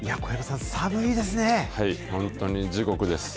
はい、本当に地獄です。